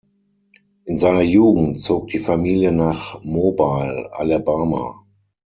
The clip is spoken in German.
In seiner Jugend zog die Familie nach Mobile, Alabama.